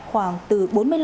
khoảng từ bốn mươi năm năm mươi